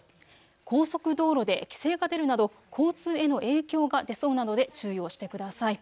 高速道路で規制が出るなど交通への影響が出そうなので注意をしてください。